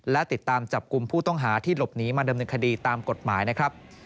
และติดตามจับกลุ่มผู้ต้องหาที่หลบหนีมาดำเนินคดีตามกฎหมายนะครับ